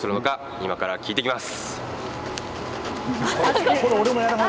今から聞いてきます。